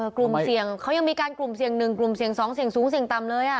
กลุ่มเสี่ยงเขายังมีการกลุ่มเสี่ยง๑กลุ่มเสี่ยง๒เสี่ยงสูงเสี่ยงต่ำเลย